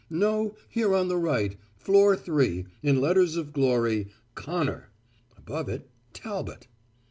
No, here on the right, floor 3, in letters of glory "Connor." Above it, "Talbot."